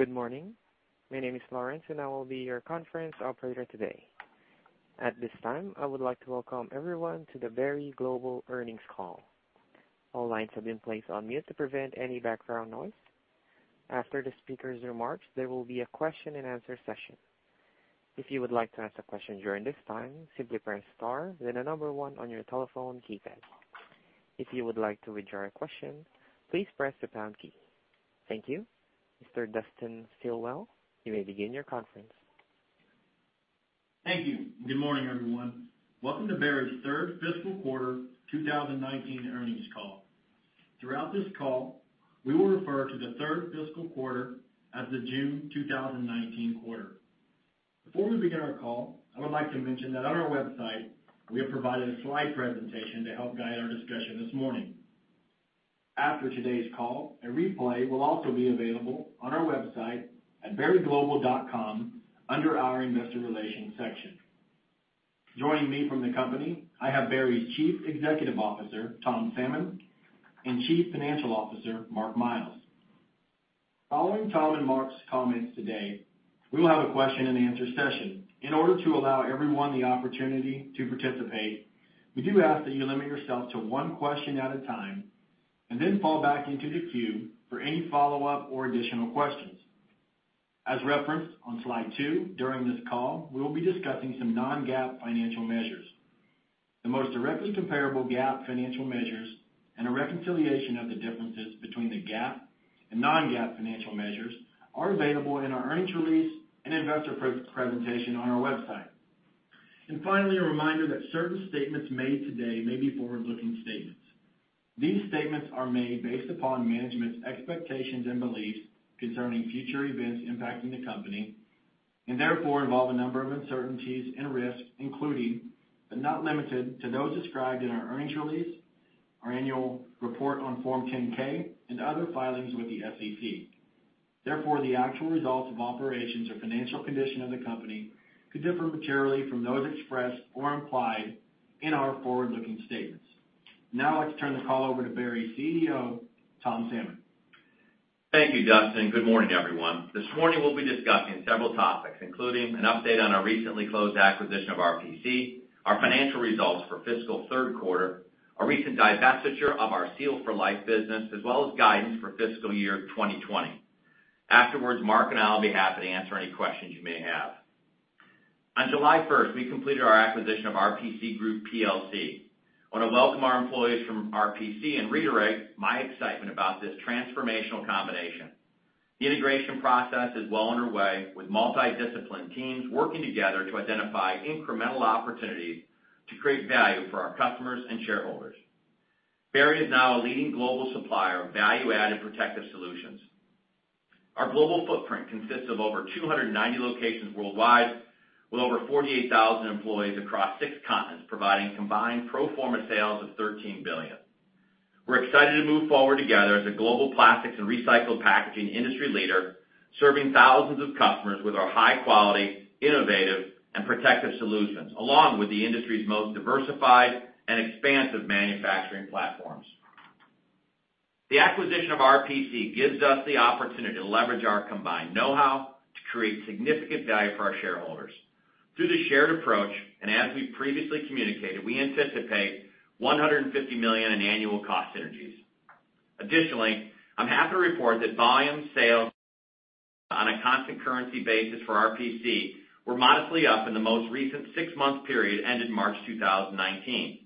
Good morning. My name is Lawrence, and I will be your conference operator today. At this time, I would like to welcome everyone to the Berry Global earnings call. All lines have been placed on mute to prevent any background noise. After the speaker's remarks, there will be a question and answer session. If you would like to ask a question during this time, simply press star then the number one on your telephone keypad. If you would like to withdraw a question, please press the pound key. Thank you. Mr. Dustin Stilwell, you may begin your conference. Thank you. Good morning, everyone. Welcome to Berry's third fiscal quarter 2019 earnings call. Throughout this call, we will refer to the third fiscal quarter as the June 2019 quarter. Before we begin our call, I would like to mention that on our website, we have provided a slide presentation to help guide our discussion this morning. After today's call, a replay will also be available on our website at berryglobal.com under our investor relations section. Joining me from the company, I have Berry's Chief Executive Officer, Tom Salmon, and Chief Financial Officer, Mark Miles. Following Tom and Mark's comments today, we will have a question and answer session. In order to allow everyone the opportunity to participate, we do ask that you limit yourself to one question at a time, and then fall back into the queue for any follow-up or additional questions. As referenced on slide two, during this call, we will be discussing some non-GAAP financial measures. The most directly comparable GAAP financial measures and a reconciliation of the differences between the GAAP and non-GAAP financial measures are available in our earnings release and investor presentation on our website. Finally, a reminder that certain statements made today may be forward-looking statements. These statements are made based upon management's expectations and beliefs concerning future events impacting the company, therefore, involve a number of uncertainties and risks, including, but not limited to, those described in our earnings release, our annual report on Form 10-K, and other filings with the SEC. Therefore, the actual results of operations or financial condition of the company could differ materially from those expressed or implied in our forward-looking statements. Now I'd like to turn the call over to Berry's CEO, Tom Salmon. Thank you, Dustin. Good morning, everyone. This morning we will be discussing several topics, including an update on our recently closed acquisition of RPC, our financial results for fiscal third quarter, our recent divestiture of our Seal for Life business, as well as guidance for fiscal year 2020. Afterwards, Mark and I will be happy to answer any questions you may have. On July 1st, we completed our acquisition of RPC Group Plc. I want to welcome our employees from RPC and reiterate my excitement about this transformational combination. The integration process is well underway, with multi-discipline teams working together to identify incremental opportunities to create value for our customers and shareholders. Berry is now a leading global supplier of value-added protective solutions. Our global footprint consists of over 290 locations worldwide, with over 48,000 employees across six continents, providing combined pro forma sales of $13 billion. We're excited to move forward together as a global plastics and recycled packaging industry leader, serving thousands of customers with our high-quality, innovative, and protective solutions, along with the industry's most diversified and expansive manufacturing platforms. The acquisition of RPC gives us the opportunity to leverage our combined know-how to create significant value for our shareholders. Through the shared approach, and as we previously communicated, we anticipate $150 million in annual cost synergies. Additionally, I'm happy to report that volume sales on a constant currency basis for RPC were modestly up in the most recent six-month period ended March 2019.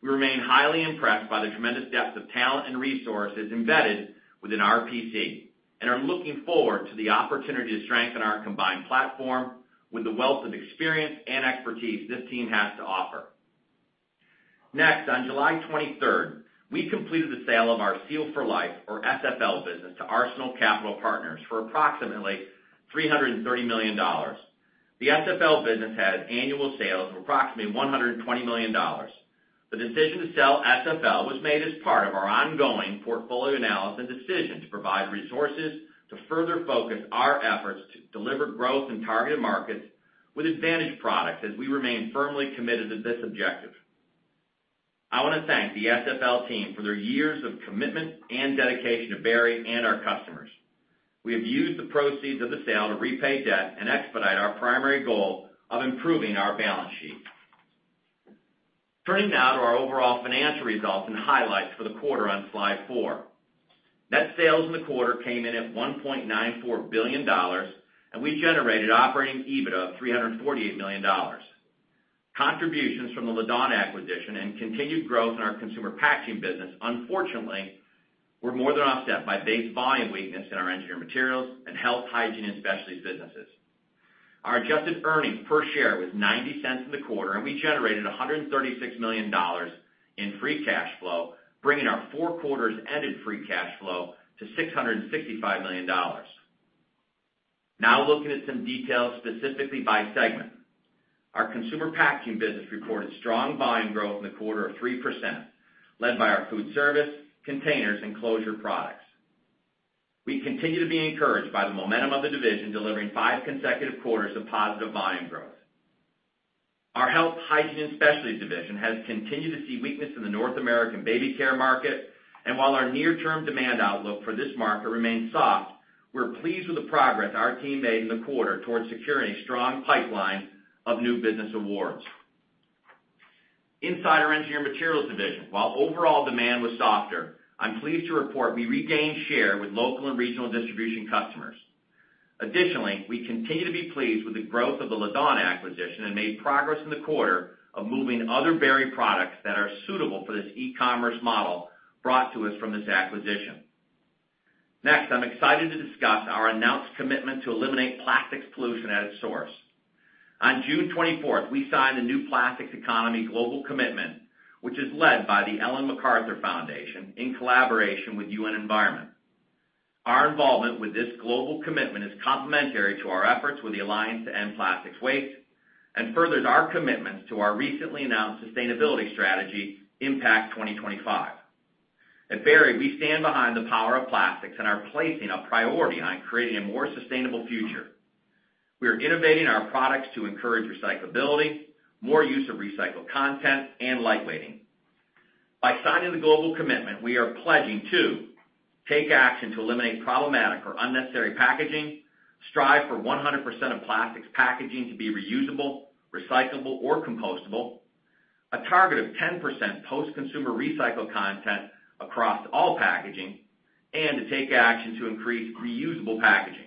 We remain highly impressed by the tremendous depth of talent and resources embedded within RPC, and are looking forward to the opportunity to strengthen our combined platform with the wealth of experience and expertise this team has to offer. Next, on July 23rd, we completed the sale of our Seal for Life, or SFL business, to Arsenal Capital Partners for approximately $330 million. The SFL business had annual sales of approximately $120 million. The decision to sell SFL was made as part of our ongoing portfolio analysis decision to provide resources to further focus our efforts to deliver growth in targeted markets with advantage products, as we remain firmly committed to this objective. I want to thank the SFL team for their years of commitment and dedication to Berry and our customers. We have used the proceeds of the sale to repay debt and expedite our primary goal of improving our balance sheet. Turning now to our overall financial results and highlights for the quarter on slide four. Net sales in the quarter came in at $1.94 billion, and we generated operating EBITDA of $348 million. Contributions from the Laddawn acquisition and continued growth in our Consumer Packaging business, unfortunately, were more than offset by base volume weakness in our Engineered Materials and Health, Hygiene, and Specialties businesses. Our adjusted earnings per share was $0.90 in the quarter, and we generated $136 million in free cash flow, bringing our four quarters ended free cash flow to $665 million. Looking at some details specifically by segment. Our Consumer Packaging business reported strong volume growth in the quarter of 3%, led by our food service, containers, and closure products. We continue to be encouraged by the momentum of the division delivering five consecutive quarters of positive volume growth. Our Health, Hygiene, and Specialties division has continued to see weakness in the North American baby care market. While our near-term demand outlook for this market remains soft, we're pleased with the progress our team made in the quarter towards securing a strong pipeline of new business awards. Inside our Engineered Materials division, while overall demand was softer, I'm pleased to report we regained share with local and regional distribution customers. Additionally, we continue to be pleased with the growth of the Laddawn acquisition and made progress in the quarter of moving other Berry products that are suitable for this e-commerce model brought to us from this acquisition. I'm excited to discuss our announced commitment to eliminate plastics pollution at its source. On June 24th, we signed the New Plastics Economy Global Commitment, which is led by the Ellen MacArthur Foundation in collaboration with UN Environment. Our involvement with this Global Commitment is complementary to our efforts with the Alliance to End Plastic Waste, furthers our commitments to our recently announced sustainability strategy, Impact 2025. At Berry, we stand behind the power of plastics and are placing a priority on creating a more sustainable future. We are innovating our products to encourage recyclability, more use of recycled content, and lightweighting. By signing the Global Commitment, we are pledging to take action to eliminate problematic or unnecessary packaging, strive for 100% of plastics packaging to be reusable, recyclable, or compostable, a target of 10% post-consumer recycled content across all packaging, and to take action to increase reusable packaging.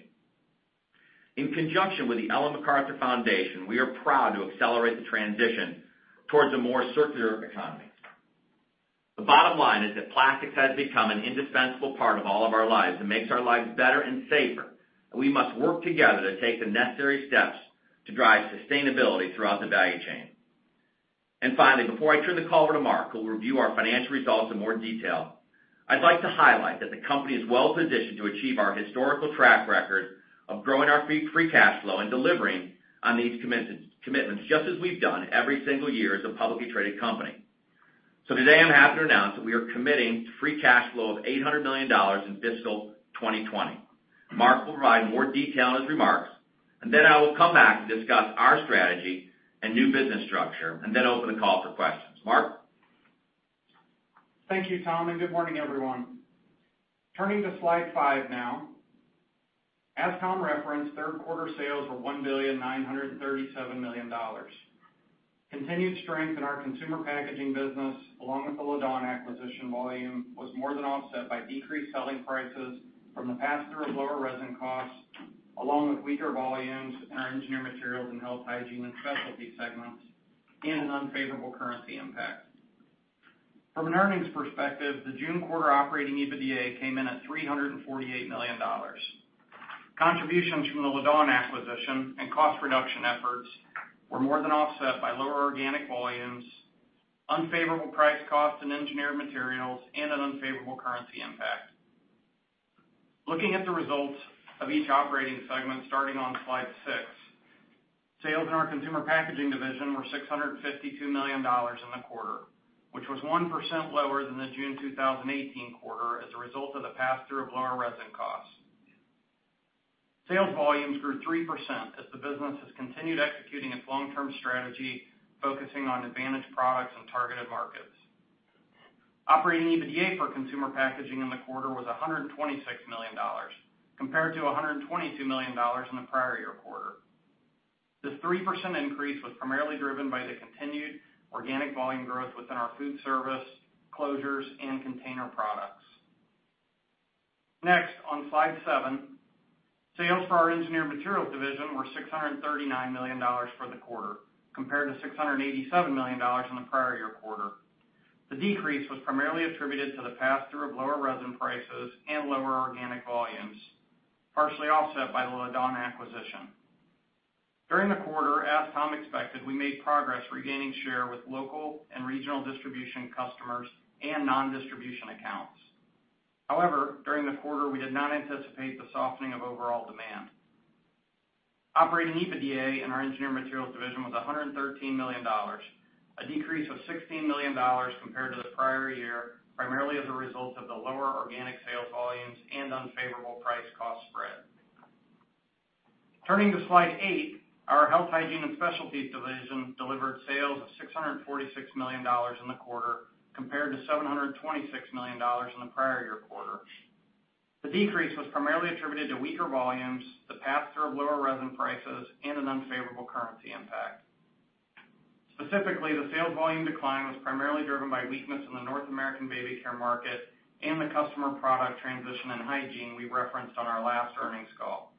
In conjunction with the Ellen MacArthur Foundation, we are proud to accelerate the transition towards a more circular economy. The bottom line is that plastics has become an indispensable part of all of our lives and makes our lives better and safer, and we must work together to take the necessary steps to drive sustainability throughout the value chain. Finally, before I turn the call over to Mark, who will review our financial results in more detail, I'd like to highlight that the company is well-positioned to achieve our historical track record of growing our free cash flow and delivering on these commitments, just as we've done every single year as a publicly traded company. Today, I'm happy to announce that we are committing to free cash flow of $800 million in fiscal 2020. Mark will provide more detail in his remarks, and then I will come back and discuss our strategy and new business structure, and then open the call for questions. Mark? Thank you, Tom, and good morning, everyone. Turning to slide five now. As Tom referenced, third quarter sales were $1.937 billion. Continued strength in our consumer packaging business, along with the Laddawn acquisition volume, was more than offset by decreased selling prices from the pass-through of lower resin costs, along with weaker volumes in our Engineered Materials and Health, Hygiene, and Specialties segments, and an unfavorable currency impact. From an earnings perspective, the June quarter operating EBITDA came in at $348 million. Contributions from the Laddawn acquisition and cost reduction efforts were more than offset by lower organic volumes, unfavorable price costs in Engineered Materials, and an unfavorable currency impact. Looking at the results of each operating segment, starting on slide six. Sales in our Consumer Packaging division were $652 million in the quarter, which was 1% lower than the June 2018 quarter as a result of the pass-through of lower resin costs. Sales volumes grew 3% as the business has continued executing its long-term strategy, focusing on advantage products and targeted markets. Operating EBITDA for Consumer Packaging in the quarter was $126 million, compared to $122 million in the prior year quarter. This 3% increase was primarily driven by the continued organic volume growth within our food service closures and container products. Next, on slide seven, sales for our Engineered Materials division were $639 million for the quarter, compared to $687 million in the prior year quarter. The decrease was primarily attributed to the pass-through of lower resin prices and lower organic volumes, partially offset by the Laddawn acquisition. During the quarter, as Tom expected, we made progress regaining share with local and regional distribution customers and non-distribution accounts. However, during the quarter, we did not anticipate the softening of overall demand. Operating EBITDA in our Engineered Materials division was $113 million, a decrease of $16 million compared to the prior year, primarily as a result of the lower organic sales volumes and unfavorable price cost spread. Turning to slide eight, our Health, Hygiene, and Specialties division delivered sales of $646 million in the quarter compared to $726 million in the prior year quarter. The decrease was primarily attributed to weaker volumes, the pass-through of lower resin prices, and an unfavorable currency impact. Specifically, the sales volume decline was primarily driven by weakness in the North American baby care market and the customer product transition and hygiene we referenced on our last earnings call.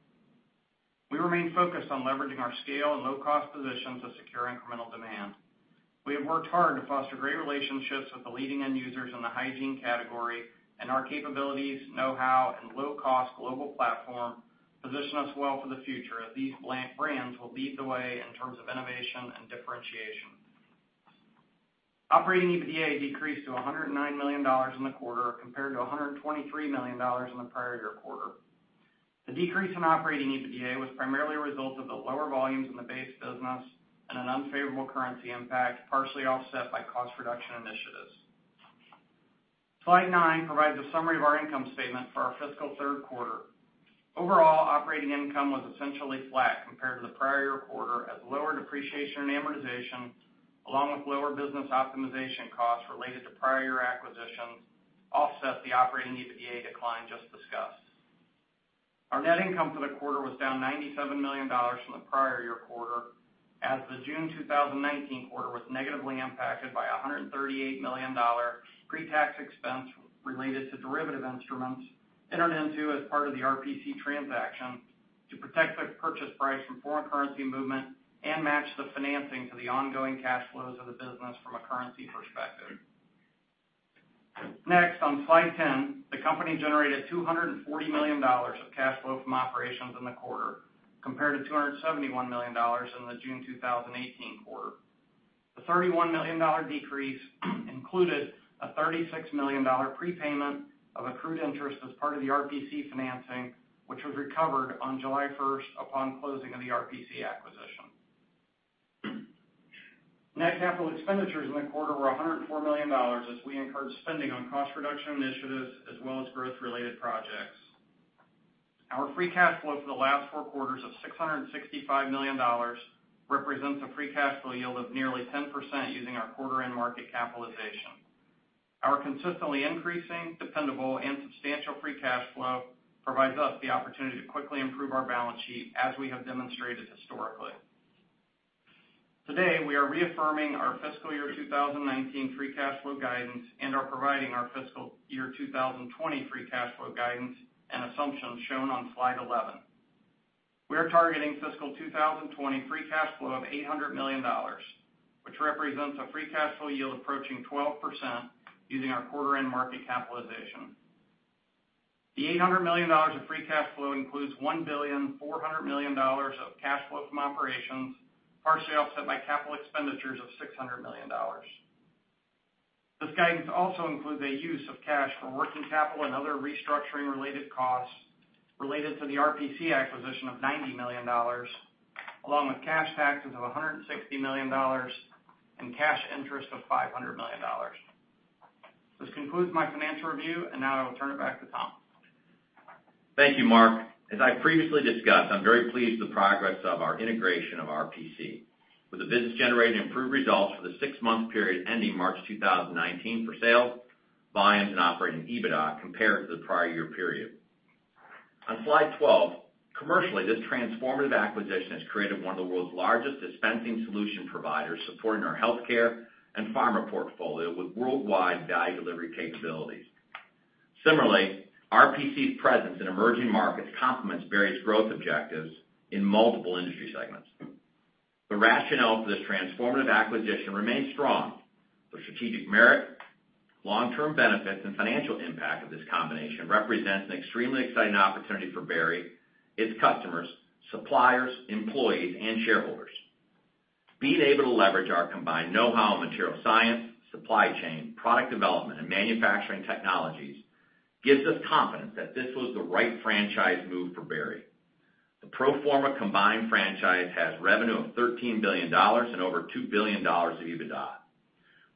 We remain focused on leveraging our scale and low-cost positions to secure incremental demand. We have worked hard to foster great relationships with the leading end users in the hygiene category. Our capabilities, know-how, and low-cost global platform position us well for the future, as these brands will lead the way in terms of innovation and differentiation. Operating EBITDA decreased to $109 million in the quarter compared to $123 million in the prior year quarter. The decrease in Operating EBITDA was primarily a result of the lower volumes in the base business and an unfavorable currency impact, partially offset by cost reduction initiatives. Slide nine provides a summary of our income statement for our fiscal third quarter. Overall, operating income was essentially flat compared to the prior year quarter as lower depreciation and amortization, along with lower business optimization costs related to prior year acquisitions, offset the operating EBITDA decline just discussed. Our net income for the quarter was down $97 million from the prior year quarter as the June 2019 quarter was negatively impacted by $138 million pre-tax expense related to derivative instruments entered into as part of the RPC transaction to protect the purchase price from foreign currency movement and match the financing to the ongoing cash flows of the business from a currency perspective. Next, on slide 10, the company generated $240 million of cash flow from operations in the quarter compared to $271 million in the June 2018 quarter. The $31 million decrease included a $36 million prepayment of accrued interest as part of the RPC financing, which was recovered on July 1st upon closing of the RPC acquisition. Net capital expenditures in the quarter were $104 million as we incurred spending on cost reduction initiatives as well as growth related projects. Our free cash flow for the last four quarters of $665 million represents a free cash flow yield of nearly 10% using our quarter end market capitalization. Our consistently increasing dependable and substantial free cash flow provides us the opportunity to quickly improve our balance sheet as we have demonstrated historically. Today, we are reaffirming our fiscal year 2019 free cash flow guidance and are providing our fiscal year 2020 free cash flow guidance and assumptions shown on slide 11. We are targeting fiscal 2020 free cash flow of $800 million, which represents a free cash flow yield approaching 12% using our quarter-end market capitalization. The $800 million of free cash flow includes $1.4 billion of cash flow from operations, partially offset by capital expenditures of $600 million. This guidance also includes a use of cash for working capital and other restructuring related costs related to the RPC acquisition of $90 million, along with cash taxes of $160 million in cash interest of $500 million. Now I will turn it back to Tom. Thank you, Mark. As I previously discussed, I'm very pleased with the progress of our integration of RPC. With the business generating improved results for the six-month period ending March 2019 for sales, volumes, and operating EBITDA compared to the prior year period. On slide 12, commercially, this transformative acquisition has created one of the world's largest dispensing solution providers supporting our healthcare and pharma portfolio with worldwide value delivery capabilities. Similarly, RPC's presence in emerging markets complements various growth objectives in multiple industry segments. The rationale for this transformative acquisition remains strong. The strategic merit, long-term benefits, and financial impact of this combination represents an extremely exciting opportunity for Berry, its customers, suppliers, employees, and shareholders. Being able to leverage our combined knowhow in material science, supply chain, product development, and manufacturing technologies gives us confidence that this was the right franchise move for Berry. The pro forma combined franchise has revenue of $13 billion and over $2 billion of EBITDA.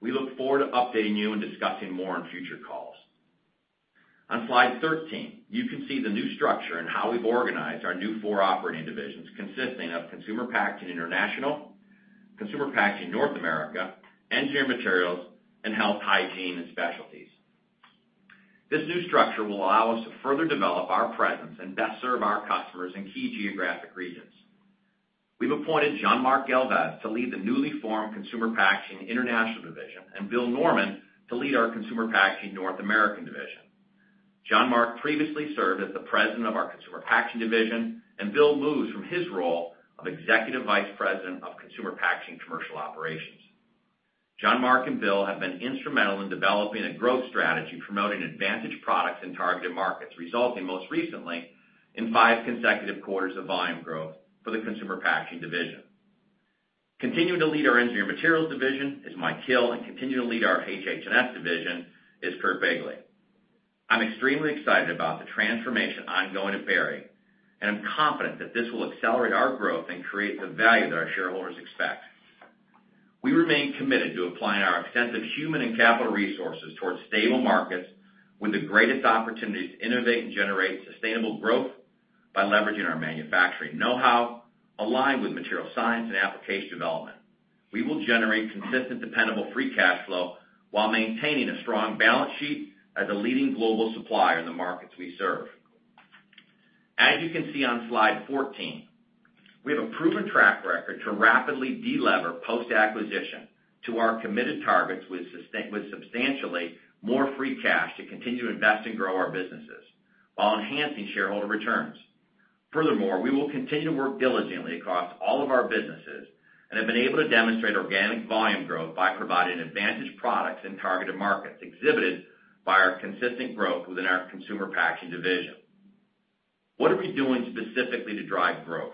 We look forward to updating you and discussing more on future calls. On slide 13, you can see the new structure and how we've organized our new four operating divisions consisting of Consumer Packaging International, Consumer Packaging North America, Engineered Materials, and Health, Hygiene, and Specialties. This new structure will allow us to further develop our presence and best serve our customers in key geographic regions. We've appointed Jean-Marc Galvez to lead the newly formed Consumer Packaging International division and Bill Norman to lead our Consumer Packaging North American division. Jean-Marc previously served as the president of our Consumer Packaging division, and Bill moves from his role of Executive Vice President of Consumer Packaging Commercial Operations. Jean-Marc and Bill have been instrumental in developing a growth strategy promoting advantage products in targeted markets, resulting most recently in five consecutive quarters of volume growth for the Consumer Packaging division. Continuing to lead our Engineered Materials division is Mike Hill, and continuing to lead our HH&S division is Curt Begle. I'm extremely excited about the transformation ongoing at Berry, and I'm confident that this will accelerate our growth and create the value that our shareholders expect. We remain committed to applying our extensive human and capital resources towards stable markets with the greatest opportunity to innovate and generate sustainable growth by leveraging our manufacturing knowhow, aligned with material science and application development. We will generate consistent, dependable free cash flow while maintaining a strong balance sheet as a leading global supplier in the markets we serve. As you can see on slide 14, we have a proven track record to rapidly de-lever post-acquisition to our committed targets with substantially more free cash to continue to invest and grow our businesses while enhancing shareholder returns. Furthermore, we will continue to work diligently across all of our businesses and have been able to demonstrate organic volume growth by providing advantage products in targeted markets exhibited by our consistent growth within our Consumer Packaging division. What are we doing specifically to drive growth?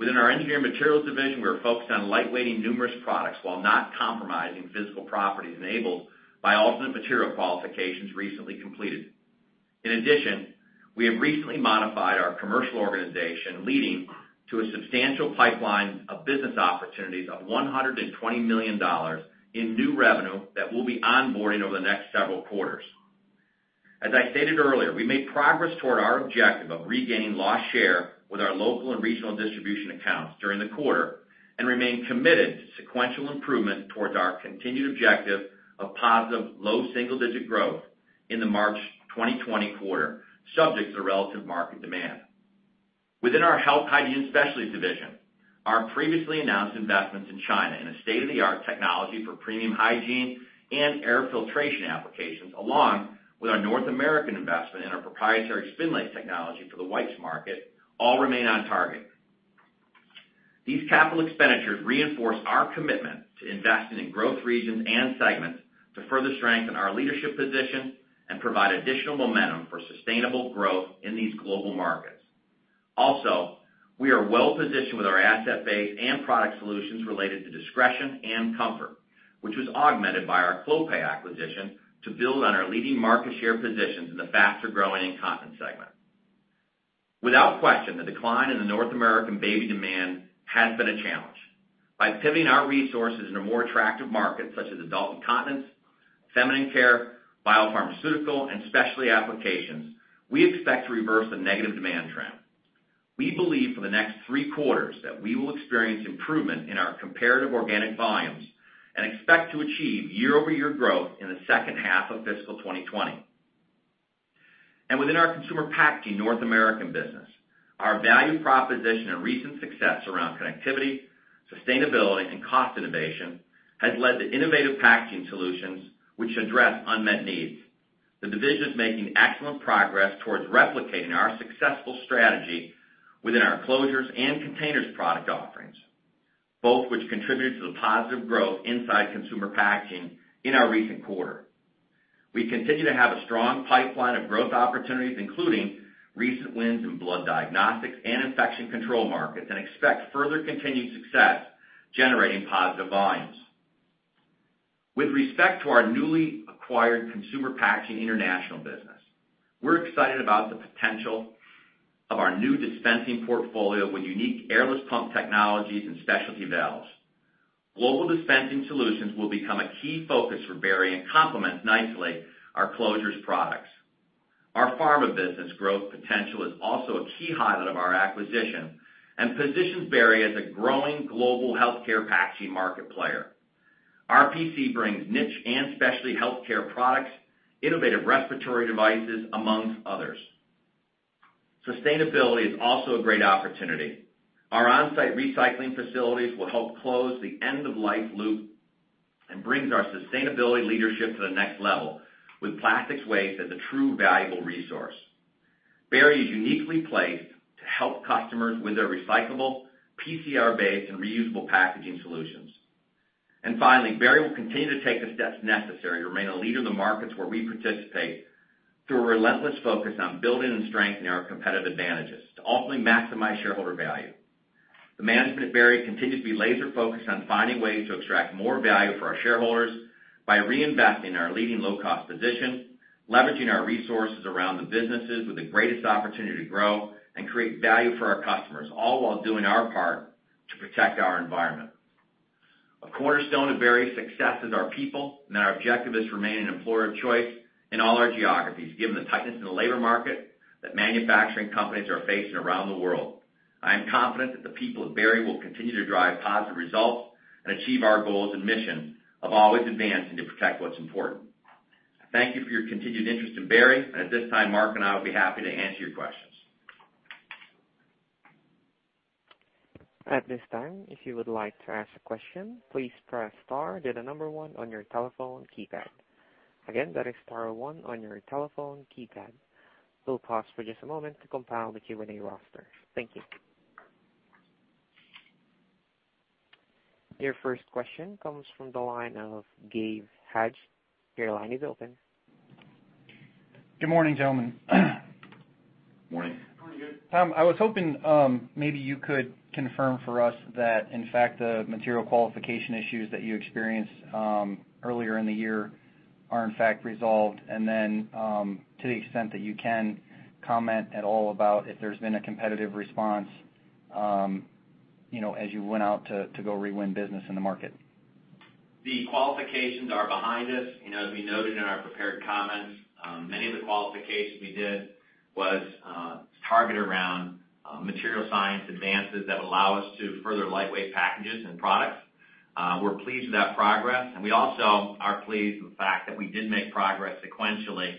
Within our Engineered Materials division, we are focused on lightweighting numerous products while not compromising physical properties enabled by alternate material qualifications recently completed. In addition, we have recently modified our commercial organization, leading to a substantial pipeline of business opportunities of $120 million in new revenue that we'll be onboarding over the next several quarters. As I stated earlier, we made progress toward our objective of regaining lost share with our local and regional distribution accounts during the quarter, and remain committed to sequential improvement towards our continued objective of positive low single-digit growth in the March 2020 quarter, subject to the relative market demand. Within our Health, Hygiene, and Specialties division, our previously announced investments in China in a state-of-the-art technology for premium hygiene and air filtration applications, along with our North American investment in our proprietary Spinlace technology for the wipes market, all remain on target. These capital expenditures reinforce our commitment to investing in growth regions and segments to further strengthen our leadership position and provide additional momentum for sustainable growth in these global markets. We are well-positioned with our asset base and product solutions related to discretion and comfort, which was augmented by our Clopay acquisition to build on our leading market share positions in the faster-growing incontinence segment. Without question, the decline in the North American baby demand has been a challenge. By pivoting our resources into more attractive markets such as adult incontinence, feminine care, biopharmaceutical, and specialty applications, we expect to reverse the negative demand trend. We believe for the next three quarters that we will experience improvement in our comparative organic volumes and expect to achieve year-over-year growth in the second half of fiscal 2020. Within our Consumer Packaging North America business, our value proposition and recent success around connectivity, sustainability, and cost innovation has led to innovative packaging solutions which address unmet needs. The division is making excellent progress towards replicating our successful strategy within our closures and containers product offerings, both which contributed to the positive growth inside consumer packaging in our recent quarter. We continue to have a strong pipeline of growth opportunities, including recent wins in blood diagnostics and infection control markets, and expect further continued success generating positive volumes. With respect to our newly acquired Consumer Packaging International business, we're excited about the potential of our new dispensing portfolio with unique airless pump technologies and specialty valves. Global dispensing solutions will become a key focus for Berry and complement nicely our closures products. Our pharma business growth potential is also a key highlight of our acquisition and positions Berry as a growing global healthcare packaging market player. RPC brings niche and specialty healthcare products, innovative respiratory devices, amongst others. Sustainability is also a great opportunity. Our on-site recycling facilities will help close the end-of-life loop and brings our sustainability leadership to the next level with plastics waste as a true valuable resource. Berry is uniquely placed to help customers with their recyclable, PCR-based, and reusable packaging solutions. Finally, Berry will continue to take the steps necessary to remain a leader in the markets where we participate through a relentless focus on building and strengthening our competitive advantages to optimally maximize shareholder value. The management at Berry continue to be laser-focused on finding ways to extract more value for our shareholders by reinvesting in our leading low-cost position, leveraging our resources around the businesses with the greatest opportunity to grow, and create value for our customers, all while doing our part to protect our environment. A cornerstone of Berry's success is our people, and our objective is to remain an employer of choice in all our geographies, given the tightness in the labor market that manufacturing companies are facing around the world. I am confident that the people of Berry will continue to drive positive results and achieve our goals and mission of always advancing to protect what's important. Thank you for your continued interest in Berry, and at this time, Mark and I will be happy to answer your questions. Your first question comes from the line of Gabe Haj. Your line is open. Good morning, gentlemen. Morning. Morning, Gabe. Tom, I was hoping maybe you could confirm for us that, in fact, the material qualification issues that you experienced earlier in the year are in fact resolved. To the extent that you can comment at all about if there's been a competitive response as you went out to go re-win business in the market. The qualifications are behind us. As we noted in our prepared comments, many of the qualifications we did was targeted around material science advances that allow us to further lightweight packages and products. We're pleased with that progress, and we also are pleased with the fact that we did make progress sequentially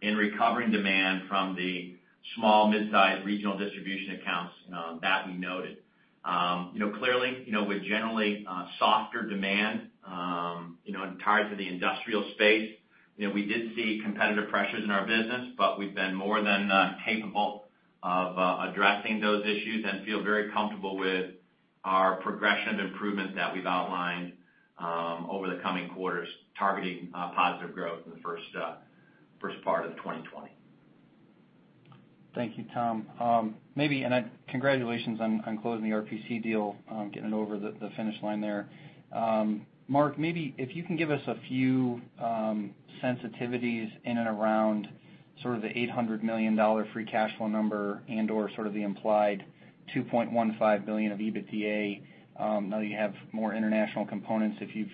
in recovering demand from the small, midsize regional distribution accounts that we noted. Clearly, with generally softer demand tied to the industrial space, we did see competitive pressures in our business. We've been more than capable of addressing those issues and feel very comfortable with our progression of improvements that we've outlined over the coming quarters targeting positive growth in the first part of 2020. Thank you, Tom. Congratulations on closing the RPC deal, getting it over the finish line there. Mark, maybe if you can give us a few sensitivities in and around sort of the $800 million free cash flow number and/or sort of the implied $2.15 billion of EBITDA. Now that you have more international components, if you've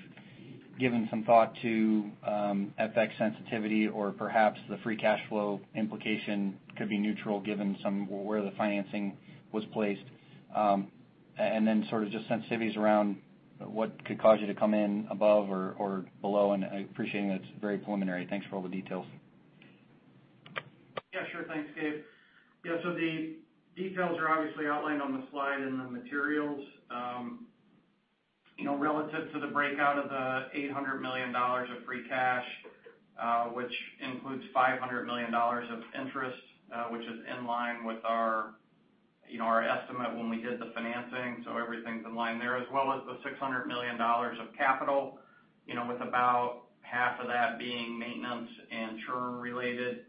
given some thought to FX sensitivity or perhaps the free cash flow implication could be neutral given where the financing was placed. Then sort of just sensitivities around what could cause you to come in above or below, and I appreciate that it's very preliminary. Thanks for all the details. Sure. Thanks, Gabe. Yeah. The details are obviously outlined on the slide in the materials. Relative to the breakout of the $800 million of free cash, which includes $500 million of interest, which is in line with our estimate when we did the financing. Everything's in line there, as well as the $600 million of capital, with about half of that being maintenance and term related.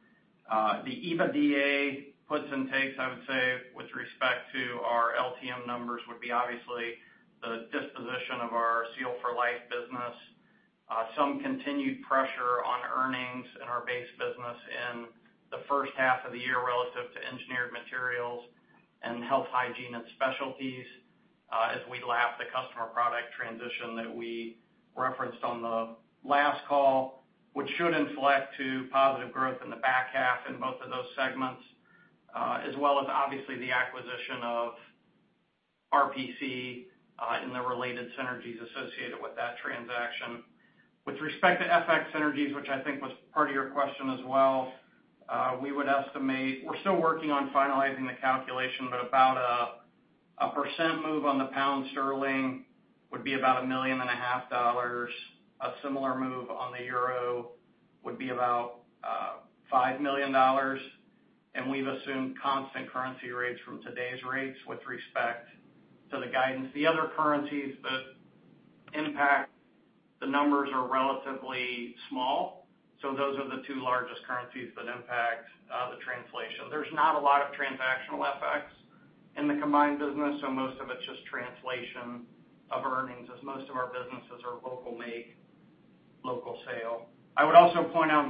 The EBITDA puts and takes, I would say, with respect to our LTM numbers, would be obviously the disposition of our Seal for Life business. Some continued pressure on earnings in our base business in the first half of the year relative to Engineered Materials and Health, Hygiene, and Specialties as we lap the customer product transition that we referenced on the last call, which should inflect to positive growth in the back half in both of those segments. As well as obviously the acquisition of RPC and the related synergies associated with that transaction. With respect to FX synergies, which I think was part of your question as well, we're still working on finalizing the calculation, but about a percent move on the pound sterling would be about a million and a half dollars. A similar move on the Euro would be about $5 million. We've assumed constant currency rates from today's rates with respect to the guidance. The other currencies that impact the numbers are relatively small. Those are the two largest currencies that impact the translation. There's not a lot of transactional effects in the combined business, so most of it's just translation of earnings as most of our businesses are local make, local sale. I'm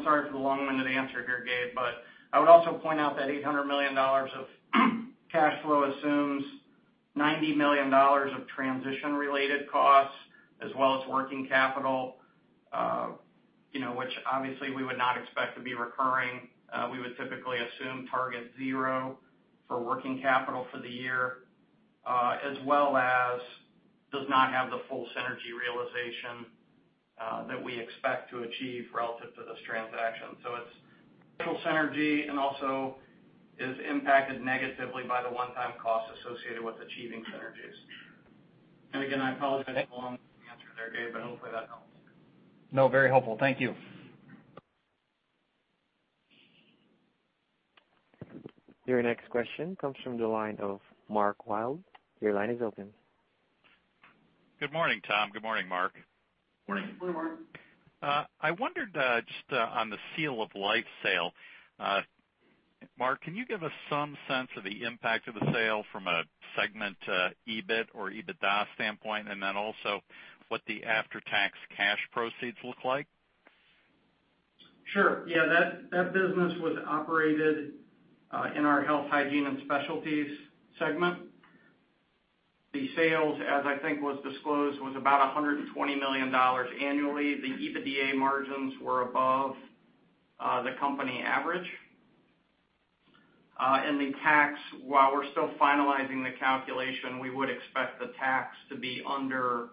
sorry for the long-winded answer here, Gabe, but I would also point out that $800 million of cash flow assumes $90 million of transition-related costs as well as working capital, which obviously we would not expect to be recurring. We would typically assume target zero for working capital for the year, as well as does not have the full synergy realization that we expect to achieve relative to this transaction. It's full synergy and also is impacted negatively by the one-time cost associated with achieving synergies. Again, I apologize for the long answer there, Gabe, but hopefully that helps. No, very helpful. Thank you. Your next question comes from the line of Mark Wilde. Your line is open. Good morning, Tom. Good morning, Mark. Morning. Good morning, Mark. I wondered just on the Seal for Life sale. Mark, can you give us some sense of the impact of the sale from a segment EBIT or EBITDA standpoint, and then also what the after-tax cash proceeds look like? Sure. Yeah, that business was operated in our Health, Hygiene, and Specialties segment. The sales, as I think was disclosed, was about $120 million annually. The EBITDA margins were above the company average. The tax, while we're still finalizing the calculation, we would expect the tax to be under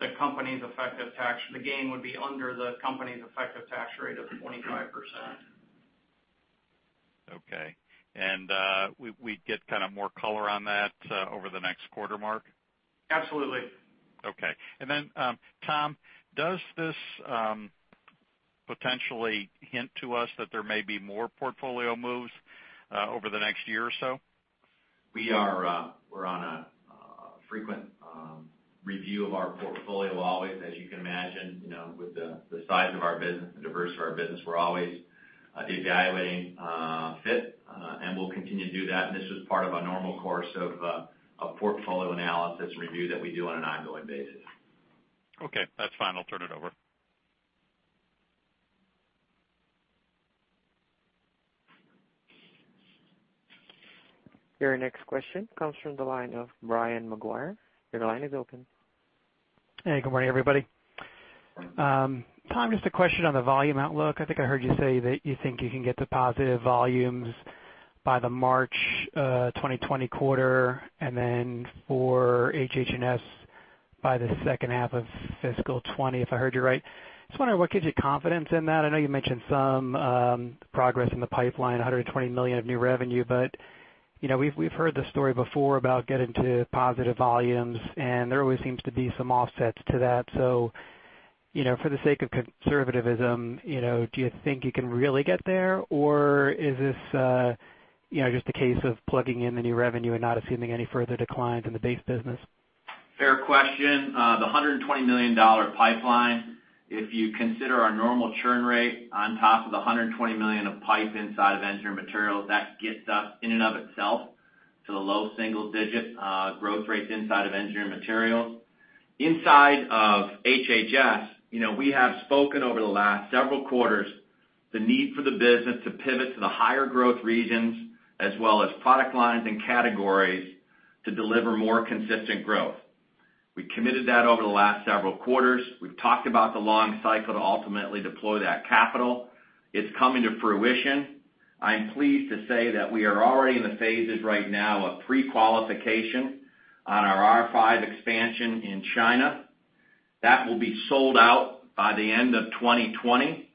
the company's effective tax. The gain would be under the company's effective tax rate of 25%. Okay. We'd get kind of more color on that over the next quarter, Mark? Absolutely. Okay. Tom, does this potentially hint to us that there may be more portfolio moves over the next year or so? We're on a frequent review of our portfolio always, as you can imagine, with the size of our business, the diversity of our business, we're always evaluating fit, and we'll continue to do that. This was part of a normal course of a portfolio analysis review that we do on an ongoing basis. Okay, that's fine. I'll turn it over. Your next question comes from the line of Brian Maguire. Your line is open. Hey, good morning, everybody. Tom, just a question on the volume outlook. I think I heard you say that you think you can get to positive volumes by the March 2020 quarter, and then for HH&S by the second half of fiscal 2020, if I heard you right. Just wondering what gives you confidence in that? I know you mentioned some progress in the pipeline, $120 million of new revenue, but we've heard this story before about getting to positive volumes, and there always seems to be some offsets to that. For the sake of conservativism, do you think you can really get there, or is this just a case of plugging in the new revenue and not assuming any further declines in the base business? Fair question. The $120 million pipeline, if you consider our normal churn rate on top of the $120 million of pipe inside of Engineered Materials, that gets us in and of itself to the low single-digit growth rates inside of Engineered Materials. Inside of HH&S, we have spoken over the last several quarters the need for the business to pivot to the higher growth regions as well as product lines and categories to deliver more consistent growth. We committed that over the last several quarters. We've talked about the long cycle to ultimately deploy that capital. It's coming to fruition. I'm pleased to say that we are already in the phases right now of pre-qualification on our R5 expansion in China. That will be sold out by the end of 2020.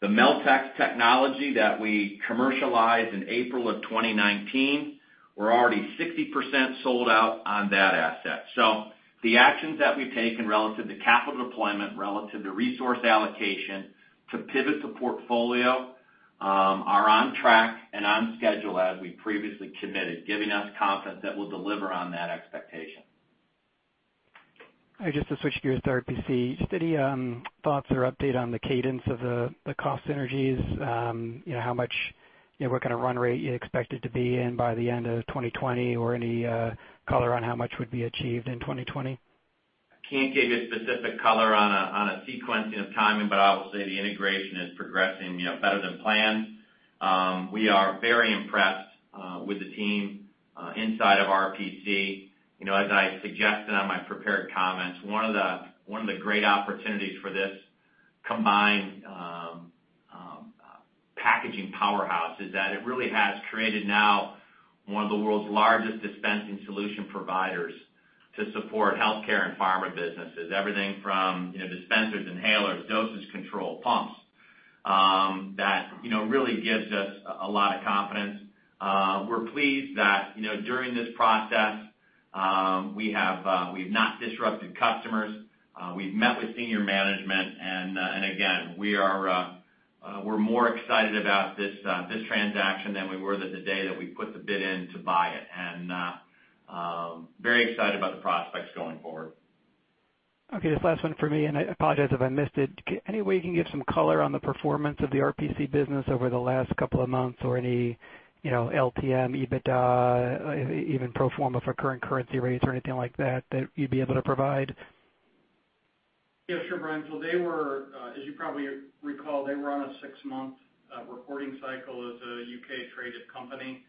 The Meltex technology that we commercialized in April of 2019, we're already 60% sold out on that asset. The actions that we've taken relative to capital deployment, relative to resource allocation to pivot the portfolio are on track and on schedule as we previously committed, giving us confidence that we'll deliver on that expectation. Just to switch gears to RPC, just any thoughts or update on the cadence of the cost synergies? What kind of run rate you expect it to be in by the end of 2020 or any color on how much would be achieved in 2020? I can't give you specific color on a sequencing of timing, but I will say the integration is progressing better than planned. We are very impressed with the team inside of RPC. As I suggested on my prepared comments, one of the great opportunities for this combined packaging powerhouse is that it really has created now one of the world's largest dispensing solution providers to support healthcare and pharma businesses. Everything from dispensers, inhalers, dosage control pumps. That really gives us a lot of confidence. We're pleased that during this process, we've not disrupted customers. We've met with senior management, and again, we're more excited about this transaction than we were the day that we put the bid in to buy it, and very excited about the prospects going forward. Okay. This is the last one from me, and I apologize if I missed it. Any way you can give some color on the performance of the RPC business over the last couple of months or any LTM, EBITDA, even pro forma for current currency rates or anything like that you'd be able to provide? Yeah, sure, Brian. They were, as you probably recall, they were on a six-month reporting cycle as a U.K.-traded company.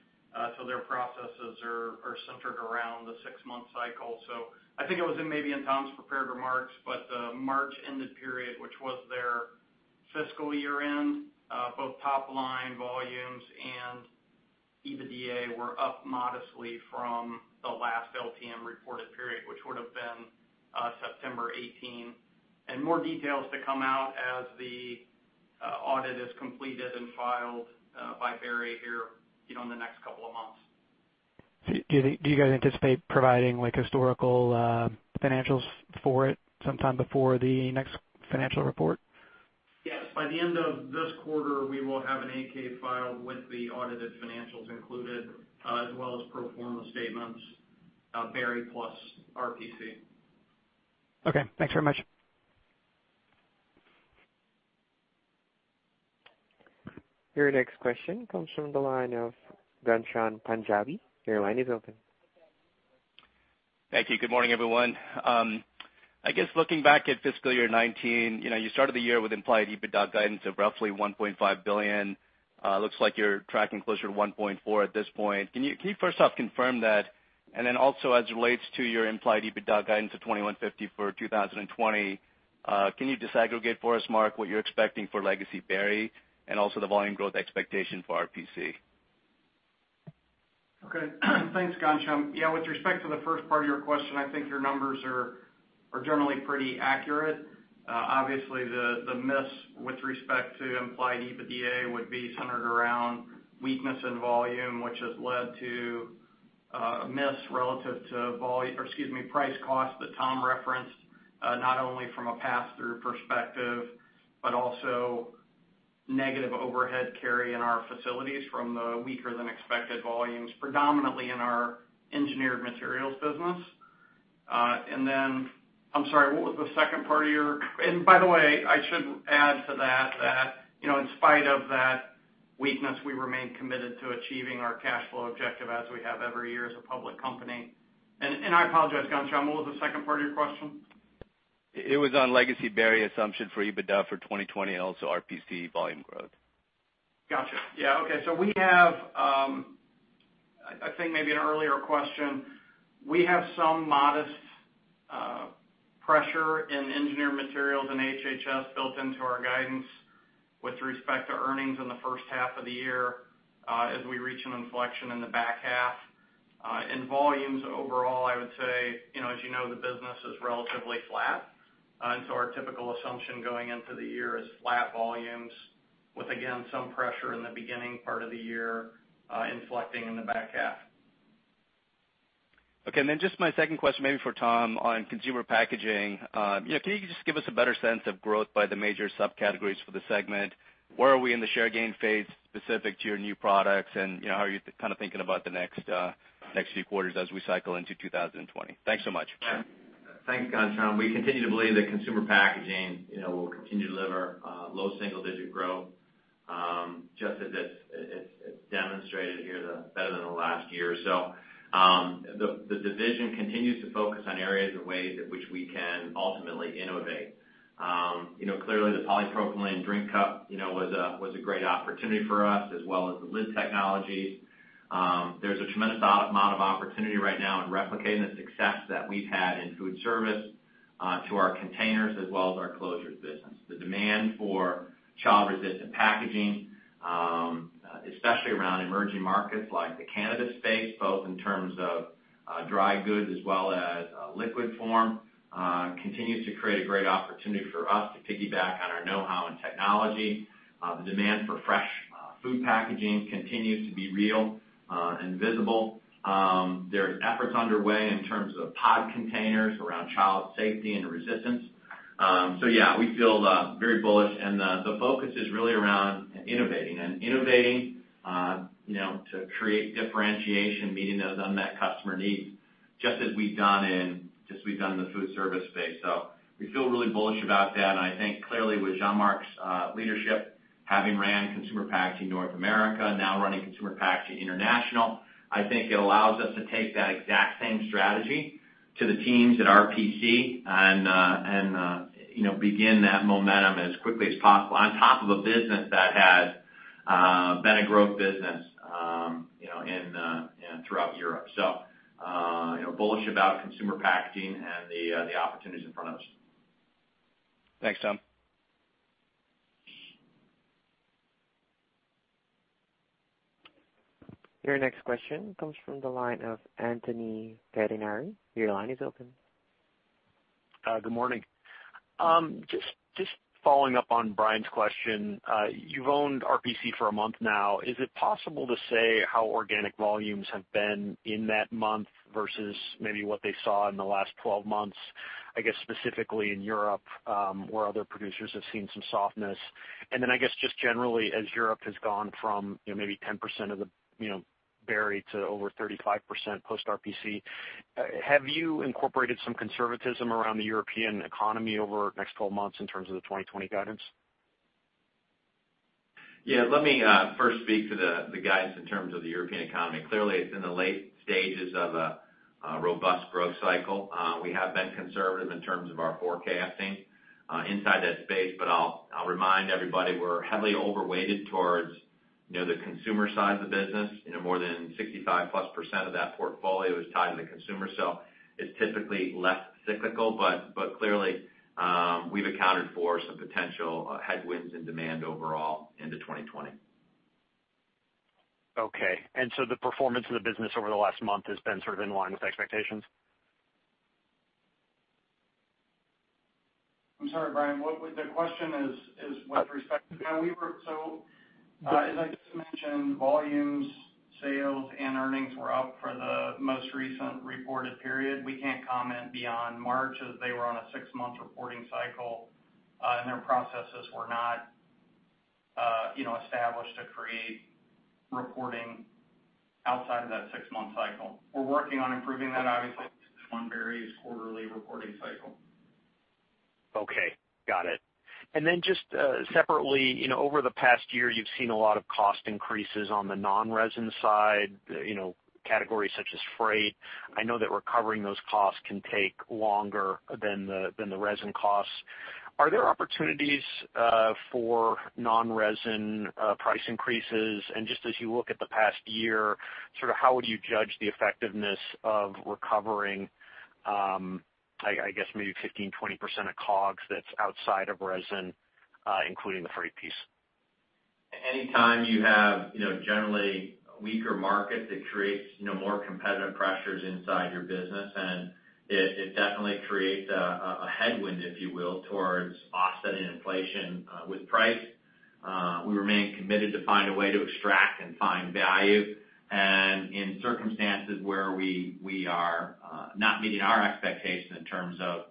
Their processes are centered around the six-month cycle. I think it was maybe in Tom's prepared remarks, but the March ended period, which was their fiscal year end, both top-line volumes and EBITDA were up modestly from the last LTM reported period, which would've been September 2018. More details to come out as the audit is completed and filed by Berry here in the next couple of months. Do you guys anticipate providing historical financials for it sometime before the next financial report? Yes. By the end of this quarter, we will have an 8-K filed with the audited financials included, as well as pro forma statements of Berry plus RPC. Okay. Thanks very much. Your next question comes from the line of Ghansham Panjabi. Your line is open. Thank you. Good morning, everyone. Looking back at fiscal year 2019, you started the year with implied EBITDA guidance of roughly $1.5 billion. It looks like you're tracking closer to $1.4 billion at this point. Can you first off confirm that? As it relates to your implied EBITDA guidance of $2.150 billion for 2020, can you disaggregate for us, Mark, what you're expecting for legacy Berry and also the volume growth expectation for RPC? Okay. Thanks, Ghansham. Yeah, with respect to the first part of your question, I think your numbers are generally pretty accurate. Obviously, the miss with respect to implied EBITDA would be centered around weakness in volume, which has led to a miss relative to price cost that Tom referenced, not only from a pass-through perspective, but also negative overhead carry in our facilities from the weaker than expected volumes, predominantly in our Engineered Materials business. Then, I'm sorry, what was the second part of your-- By the way, I should add to that in spite of that weakness, we remain committed to achieving our cash flow objective as we have every year as a public company. I apologize, Ghansham, what was the second part of your question? It was on legacy Berry assumption for EBITDA for 2020 and also RPC volume growth. Got you. Yeah. Okay. I think maybe an earlier question. We have some modest pressure in Engineered Materials and HH&S built into our guidance with respect to earnings in the first half of the year as we reach an inflection in the back half. In volumes overall, I would say, as you know, the business is relatively flat. Our typical assumption going into the year is flat volumes with, again, some pressure in the beginning part of the year inflecting in the back half. Okay. Just my second question, maybe for Tom on Consumer Packaging. Can you just give us a better sense of growth by the major subcategories for the segment? Where are we in the share gain phase specific to your new products, and how are you kind of thinking about the next few quarters as we cycle into 2020? Thanks so much. Thanks, John. We continue to believe that Consumer Packaging will continue to deliver low single-digit growth, just as it's demonstrated here better than the last year or so. The division continues to focus on areas and ways in which we can ultimately innovate. Clearly the polypropylene drink cup was a great opportunity for us, as well as the lid technology. There's a tremendous amount of opportunity right now in replicating the success that we've had in food service to our containers as well as our closures business. The demand for child-resistant packaging, especially around emerging markets like the cannabis space, both in terms of dry goods as well as liquid form, continues to create a great opportunity for us to piggyback on our know-how and technology. The demand for fresh food packaging continues to be real and visible. There's efforts underway in terms of pod containers around child safety and resistance. Yeah, we feel very bullish, and the focus is really around innovating. Innovating to create differentiation, meeting those unmet customer needs, just as we've done in the food service space. We feel really bullish about that, and I think clearly with Jean-Marc's leadership, having ran Consumer Packaging North America, now running Consumer Packaging International, I think it allows us to take that exact same strategy to the teams at RPC and begin that momentum as quickly as possible on top of a business that has been a growth business throughout Europe. Bullish about consumer packaging and the opportunities in front of us. Thanks, Tom. Your next question comes from the line of Anthony Pettinari. Your line is open. Good morning. Just following up on Brian's question. You've owned RPC for a month now. Is it possible to say how organic volumes have been in that month versus maybe what they saw in the last 12 months, I guess specifically in Europe, where other producers have seen some softness? I guess, just generally as Europe has gone from maybe 10% of the Berry to over 35% post RPC, have you incorporated some conservatism around the European economy over the next 12 months in terms of the 2020 guidance? Yeah, let me first speak to the guidance in terms of the European economy. Clearly, it's in the late stages of a robust growth cycle. We have been conservative in terms of our forecasting inside that space, but I'll remind everybody, we're heavily overweighted towards the consumer side of the business. More than 65%-plus of that portfolio is tied to the consumer. It's typically less cyclical, but clearly, we've accounted for some potential headwinds in demand overall into 2020. Okay. The performance of the business over the last month has been sort of in line with expectations? I'm sorry, Brian. The question is as I just mentioned, volumes, sales, and earnings were up for the most recent reported period. We can't comment beyond March, as they were on a six-month reporting cycle, and their processes were not established to create reporting outside of that six-month cycle. We're working on improving that, obviously, since we're on Berry's quarterly reporting cycle. Okay, got it. Just separately, over the past year, you've seen a lot of cost increases on the non-resin side, categories such as freight. I know that recovering those costs can take longer than the resin costs. Are there opportunities for non-resin price increases? Just as you look at the past year, how would you judge the effectiveness of recovering, I guess maybe 15%-20% of COGS that's outside of resin, including the freight piece? Any time you have generally weaker market, that creates more competitive pressures inside your business, it definitely creates a headwind, if you will, towards offsetting inflation with price. We remain committed to find a way to extract and find value. In circumstances where we are not meeting our expectations in terms of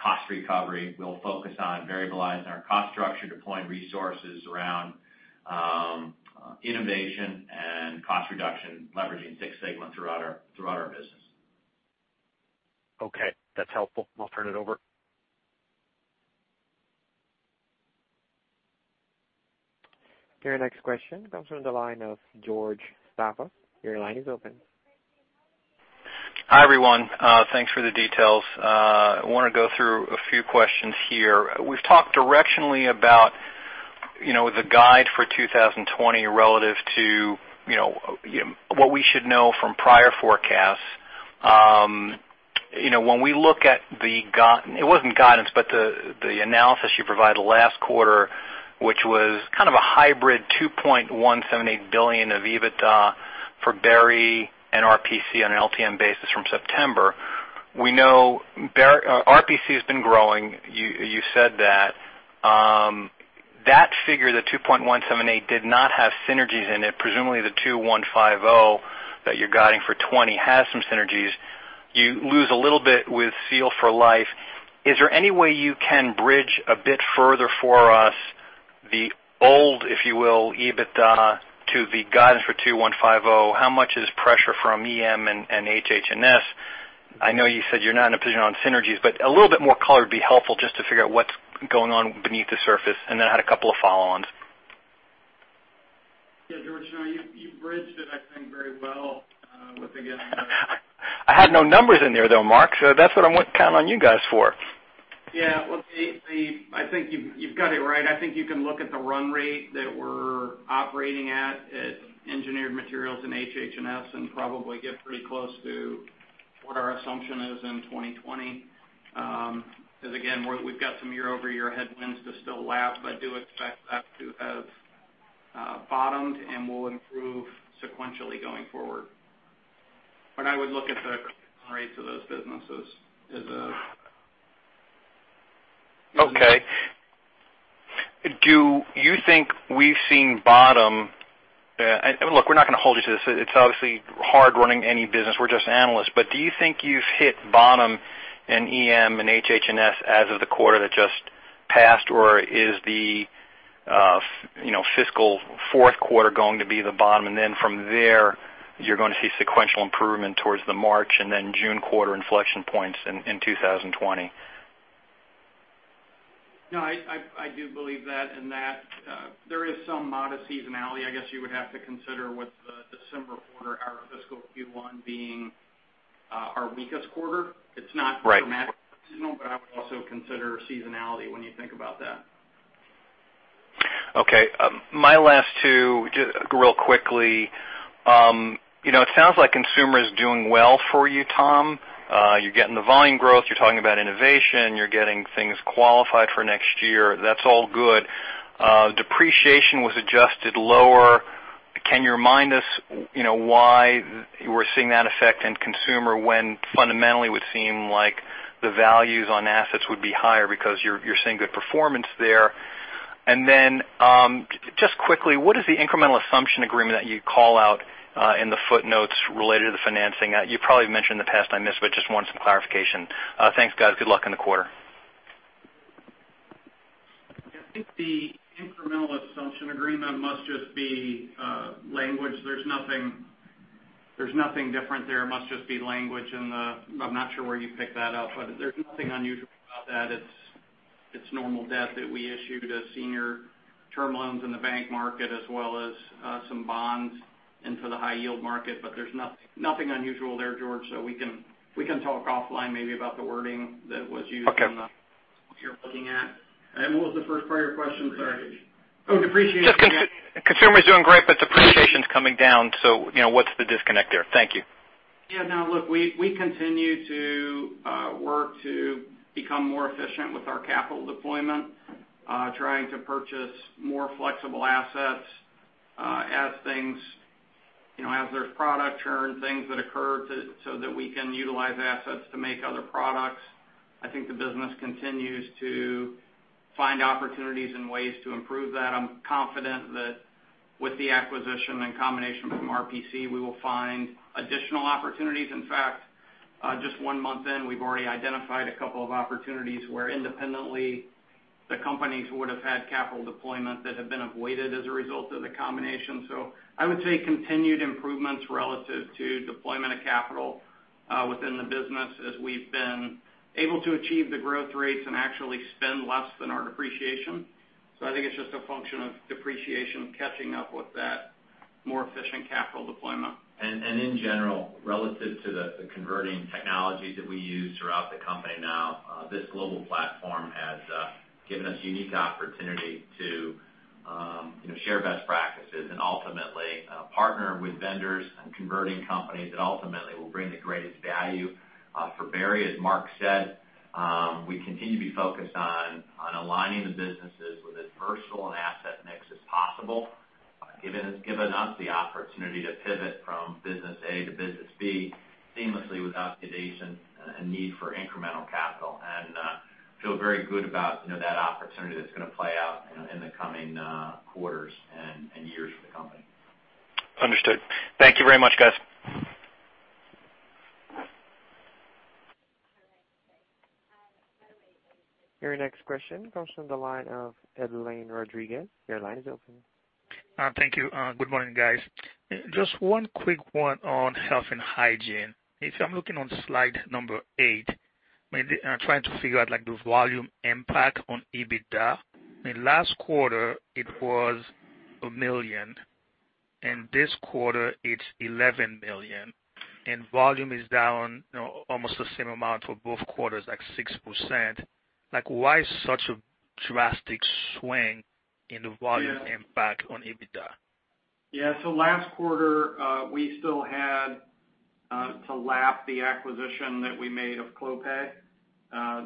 cost recovery, we'll focus on variabilizing our cost structure, deploying resources around innovation and cost reduction, leveraging Six Sigma throughout our business. Okay, that's helpful. I'll turn it over. Your next question comes from the line of George Staphos. Your line is open. Hi, everyone. Thanks for the details. I want to go through a few questions here. We've talked directionally about the guide for 2020 relative to what we should know from prior forecasts. When we look at, it wasn't guidance, but the analysis you provided last quarter, which was kind of a hybrid $2.178 billion of EBITDA for Berry and RPC on an LTM basis from September. We know RPC has been growing, you said that. That figure, the $2.178 did not have synergies in it. Presumably the $2.150 that you're guiding for 2020 has some synergies. You lose a little bit with Seal for Life. Is there any way you can bridge a bit further for us the old, if you will, EBITDA to the guidance for $2.150? How much is pressure from EM and HH&S? I know you said you're not in a position on synergies, but a little bit more color would be helpful just to figure out what's going on beneath the surface. I had a couple of follow-ons. Yeah, George, you bridged it, I think, very well. I had no numbers in there, though, Mark, so that's what I count on you guys for. Yeah. Look, I think you've got it right. I think you can look at the run rate that we're operating at Engineered Materials and HH&S, and probably get pretty close to what our assumption is in 2020. Again, we've got some year-over-year headwinds to still lap, but do expect that to have bottomed and will improve sequentially going forward. I would look at the rates of those businesses as a- Okay. Do you think we've seen bottom Look, we're not going to hold you to this. It's obviously hard running any business. We're just analysts. Do you think you've hit bottom in EM and HH&S as of the quarter that just passed? Is the fiscal fourth quarter going to be the bottom, and then from there, you're going to see sequential improvement towards the March, and then June quarter inflection points in 2020? I do believe that in that there is some modest seasonality. I guess you would have to consider with the December quarter, our fiscal Q1 being our weakest quarter. Right. It's not dramatically seasonal, but I would also consider seasonality when you think about that. Okay. My last two, just real quickly. It sounds like Consumer is doing well for you, Tom. You're getting the volume growth. You're talking about innovation. You're getting things qualified for next year. That's all good. Depreciation was adjusted lower. Can you remind us why we're seeing that effect in Consumer, when fundamentally it would seem like the values on assets would be higher because you're seeing good performance there? Then, just quickly, what is the incremental assumption agreement that you call out in the footnotes related to the financing? You probably mentioned it in the past, and I missed, but just want some clarification. Thanks, guys. Good luck in the quarter. I think the incremental assumption agreement must just be language. There's nothing different there. It must just be language, and I'm not sure where you picked that up, but there's nothing unusual about that. It's normal debt that we issued as senior term loans in the bank market, as well as some bonds into the high yield market. There's nothing unusual there, George. We can talk offline maybe about the wording that was used. Okay on the you're looking at. What was the first part of your question? Sorry. Oh, depreciation. Just Consumer's doing great, but depreciation's coming down. What's the disconnect there? Thank you. Yeah, no, look, we continue to work to become more efficient with our capital deployment, trying to purchase more flexible assets as there's product churn, things that occur, so that we can utilize assets to make other products. I think the business continues to find opportunities and ways to improve that. I'm confident that with the acquisition and combination from RPC, we will find additional opportunities. In fact, just one month in, we've already identified a couple of opportunities where independently the companies would have had capital deployment that have been avoided as a result of the combination. I would say continued improvements relative to deployment of capital within the business, as we've been able to achieve the growth rates and actually spend less than our depreciation. I think it's just a function of depreciation catching up with that more efficient capital deployment. In general, relative to the converting technologies that we use throughout the company now, this global platform has given us unique opportunity to share best practices, and ultimately partner with vendors and converting companies that ultimately will bring the greatest value. For Berry, as Mark said, we continue to be focused on aligning the businesses with as versatile an asset mix as possible. It's given us the opportunity to pivot from business A to business B seamlessly without hesitation and need for incremental capital. Feel very good about that opportunity that's going to play out in the coming quarters and years for the company. Understood. Thank you very much, guys. Your next question comes from the line of Adeline Rodriguez. Your line is open. Thank you. Good morning, guys. Just one quick one on Health, Hygiene, and Specialties. If I'm looking on slide number eight, I'm trying to figure out the volume impact on EBITDA. In last quarter it was $1 million, and this quarter it's $11 million. Volume is down almost the same amount for both quarters, like 6%. Why such a drastic swing in the volume impact on EBITDA? Yeah. Last quarter, we still had to lap the acquisition that we made of Clopay.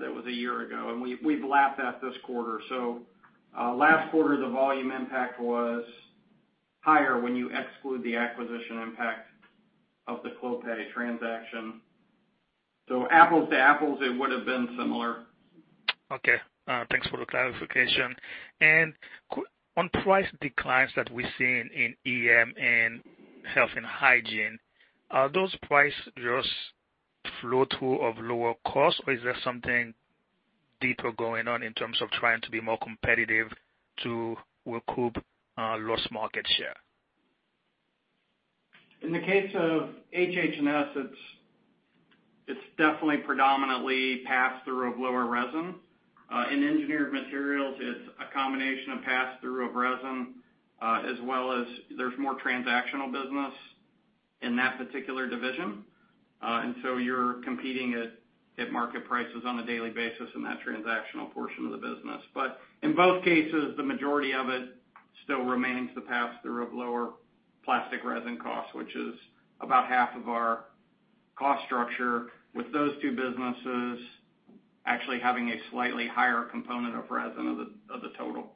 That was a year ago. We've lapped that this quarter. Last quarter, the volume impact was higher when you exclude the acquisition impact of the Clopay transaction. Apples to apples, it would've been similar. Okay. Thanks for the clarification. On price declines that we're seeing in EM and Health and Hygiene, are those price just flow-through of lower cost, or is there something deeper going on in terms of trying to be more competitive to recoup lost market share? In the case of HH&S, it's definitely predominantly pass-through of lower resin. In Engineered Materials, it's a combination of pass-through of resin, as well as there's more transactional business in that particular division. You're competing at market prices on a daily basis in that transactional portion of the business. In both cases, the majority of it still remains the pass-through of lower plastic resin costs, which is about half of our cost structure with those two businesses actually having a slightly higher component of resin of the total.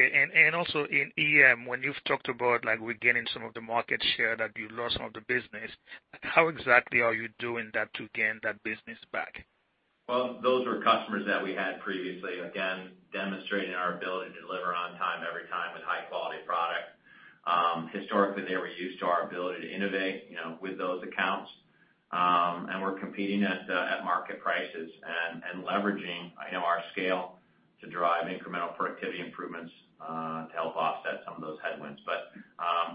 Okay. Also in EM, when you've talked about regaining some of the market share that you lost some of the business, how exactly are you doing that to gain that business back? Well, those were customers that we had previously, again, demonstrating our ability to deliver on time, every time, with high-quality product. Historically, they were used to our ability to innovate with those accounts. We're competing at market prices and leveraging our scale to drive incremental productivity improvements to help offset some of those headwinds.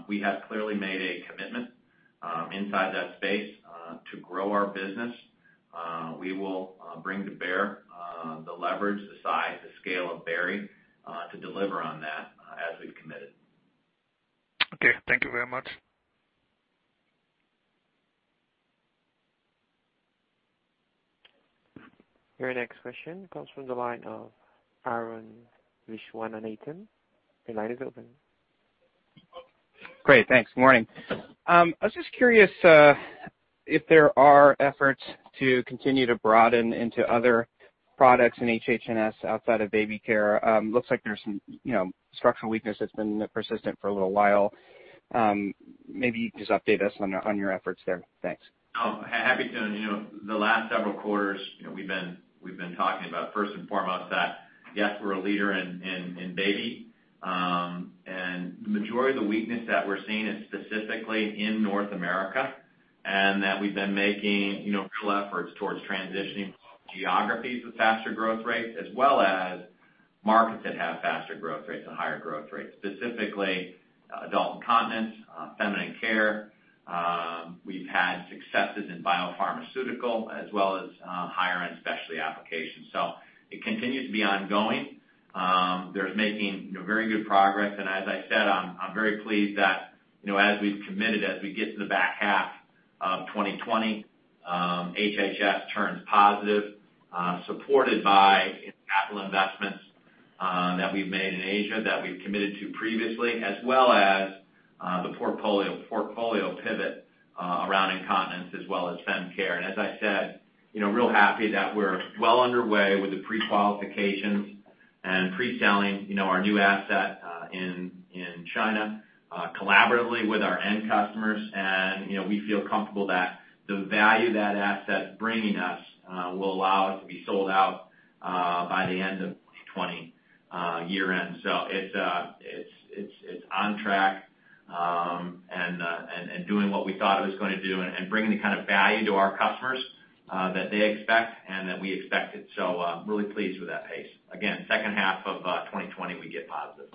We have clearly made a commitment inside that space to grow our business. We will bring to bear the leverage, the size, the scale of Berry to deliver on that as we've committed. Okay. Thank you very much. Your next question comes from the line of Arun Viswanathan. Your line is open. Great, thanks. Morning. I was just curious if there are efforts to continue to broaden into other products in HH&S outside of baby care. Looks like there's some structural weakness that's been persistent for a little while. Maybe just update us on your efforts there. Thanks. Oh, happy to. The last several quarters, we've been talking about, first and foremost, that, yes, we're a leader in baby. The majority of the weakness that we're seeing is specifically in North America, and that we've been making real efforts towards transitioning geographies with faster growth rates as well as markets that have faster growth rates and higher growth rates, specifically adult incontinence, feminine care. We've had successes in biopharmaceutical as well as higher-end specialty applications. It continues to be ongoing. They're making very good progress, and as I said, I'm very pleased that as we've committed, as we get to the back half of 2020, HH&S turns positive, supported by capital investments that we've made in Asia that we've committed to previously, as well as the portfolio pivot around incontinence as well as fem care. As I said, real happy that we're well underway with the pre-qualifications and pre-selling our new asset in China collaboratively with our end customers, and we feel comfortable that the value that asset's bringing us will allow us to be sold out by the end of 2020 year end. It's on track and doing what we thought it was going to do and bringing the kind of value to our customers that they expect and that we expected. I'm really pleased with that pace. Again, second half of 2020, we get positive.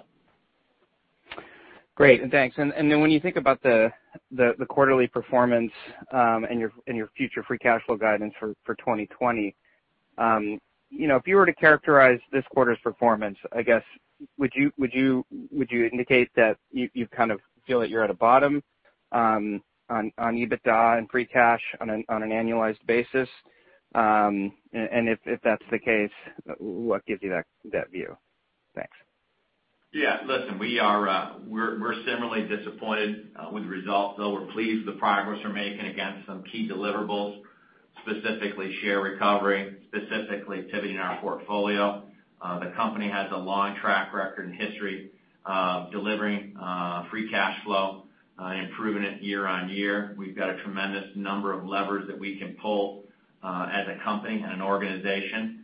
Great. Thanks. When you think about the quarterly performance and your future free cash flow guidance for 2020, if you were to characterize this quarter's performance, I guess, would you indicate that you kind of feel that you're at a bottom on EBITDA and free cash on an annualized basis? If that's the case, what gives you that view? Thanks. Listen, we're similarly disappointed with the results, though we're pleased with the progress we're making against some key deliverables, specifically share recovery, specifically pivoting our portfolio. The company has a long track record and history of delivering free cash flow, improving it year-on-year. We've got a tremendous number of levers that we can pull as a company and an organization.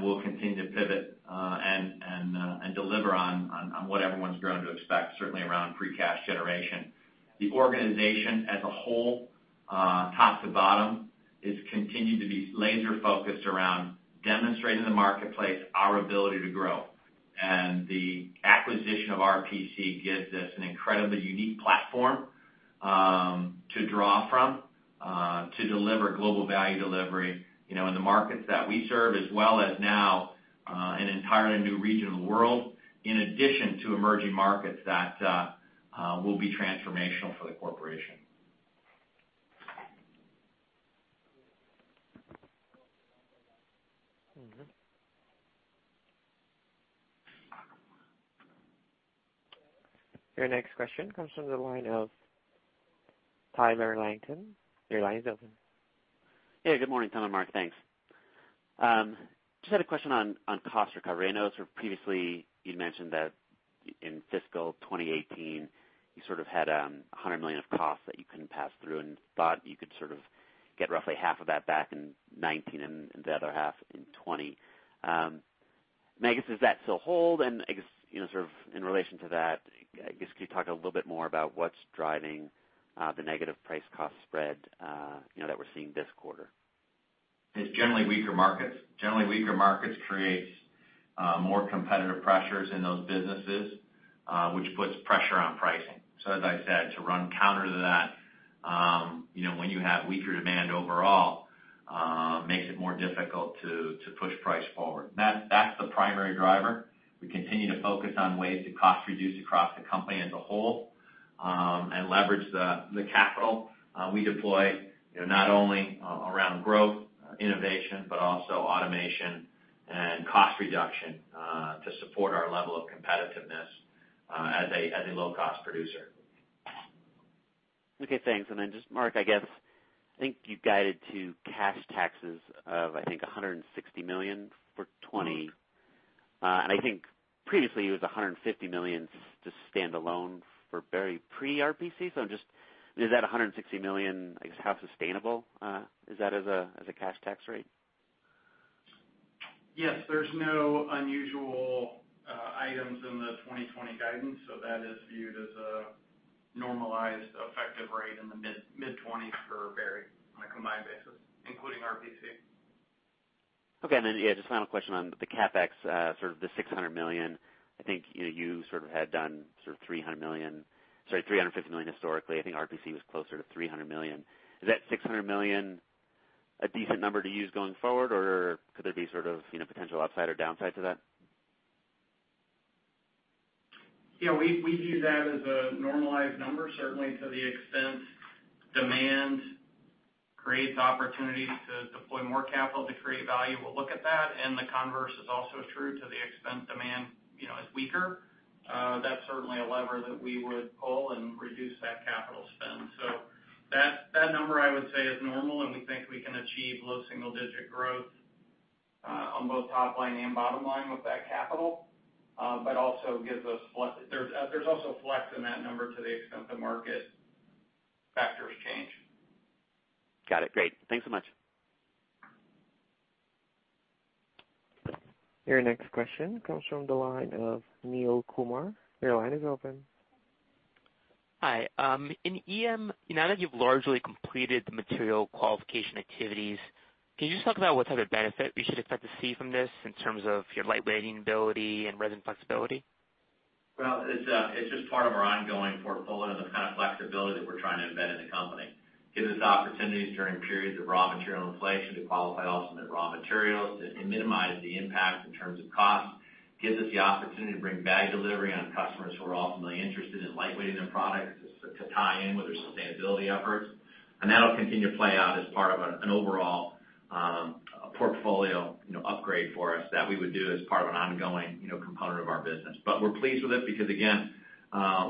We'll continue to pivot and deliver on what everyone's grown to expect, certainly around free cash generation. The organization as a whole, top to bottom, has continued to be laser focused around demonstrating the marketplace our ability to grow. The acquisition of RPC gives us an incredibly unique platform to draw from to deliver global value delivery in the markets that we serve, as well as now an entirely new region of the world, in addition to emerging markets that will be transformational for the corporation. Your next question comes from the line of Tyler Langton. Your line is open. Good morning, Tom and Mark. Thanks. Just had a question on cost recovery. I know previously you'd mentioned that in fiscal 2018, you had $100 million of costs that you couldn't pass through and thought you could get roughly half of that back in 2019 and the other half in 2020. Does that still hold? In relation to that, could you talk a little bit more about what's driving the negative price cost spread that we're seeing this quarter? It's generally weaker markets. Generally weaker markets creates more competitive pressures in those businesses, which puts pressure on pricing. As I said, to run counter to that when you have weaker demand overall, makes it more difficult to push price forward. That's the primary driver. We continue to focus on ways to cost reduce across the company as a whole, and leverage the capital we deploy, not only around growth innovation, but also automation and cost reduction to support our level of competitiveness as a low-cost producer. Okay, thanks. Mark, you guided to cash taxes of $160 million for 2020. Previously it was $150 million just standalone for Berry pre-RPC. Is that $160 million, how sustainable is that as a cash tax rate? Yes. There's no unusual items in the 2020 guidance. That is viewed as a normalized effective rate in the mid-20s for Berry on a combined basis, including RPC. Okay. Yeah, just final question on the CapEx, the $600 million. I think you had done $350 million historically. I think RPC was closer to $300 million. Is that $600 million a decent number to use going forward, or could there be potential upside or downside to that? Yeah. We view that as a normalized number, certainly to the extent demand creates opportunities to deploy more capital to create value, we'll look at that. The converse is also true to the extent demand is weaker. That's certainly a lever that we would pull and reduce that capital spend. That number I would say is normal, and we think we can achieve low single digit growth on both top line and bottom line with that capital. There's also flex in that number to the extent the market factors change. Got it. Great. Thanks so much. Your next question comes from the line of Neel Kumar. Your line is open. Hi. In EM, now that you've largely completed the material qualification activities, can you just talk about what type of benefit we should expect to see from this in terms of your lightweighting ability and resin flexibility? Well, it's just part of our ongoing portfolio and the kind of flexibility that we're trying to embed in the company. Gives us opportunities during periods of raw material inflation to qualify alternate raw materials to minimize the impact in terms of cost. Gives us the opportunity to bring value delivery on customers who are ultimately interested in lightweighting their products to tie in with their sustainability efforts. That'll continue to play out as part of an overall portfolio upgrade for us that we would do as part of an ongoing component of our business. We're pleased with it because, again,